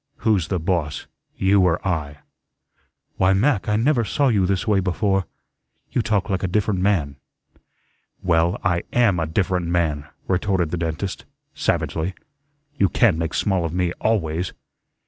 Who's the boss, you or I?" "Why, Mac, I never saw you this way before. You talk like a different man." "Well, I AM a different man," retorted the dentist, savagely. "You can't make small of me ALWAYS."